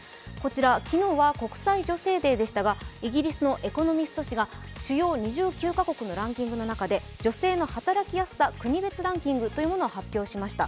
昨日は国際女性デーでしたがイギリスの「エコノミスト」誌が主要２９か国のランキングの中で女性の働きやすさ国別ランキングというものを発表しました。